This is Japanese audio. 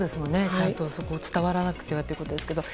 ちゃんと伝わらなくてはということですが。